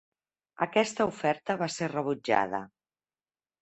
Aquesta oferta va ser rebutjada.